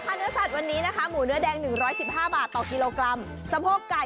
ไปเช็คราคาของเนื้อสัตว์ก่อนค่ะ